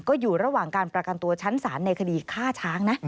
ก็อยู่ระหว่างการประกันตัวชั้นศาลในคดีฆ่าช้างนะ